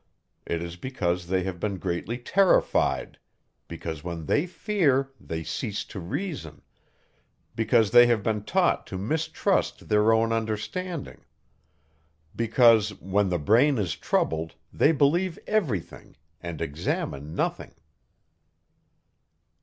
It is because they have been greatly terrified; because, when they fear, they cease to reason; because, they have been taught to mistrust their own understanding; because, when the brain is troubled, they believe every thing, and examine nothing.